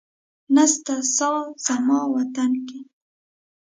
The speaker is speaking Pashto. نسته ساه زما وطن کي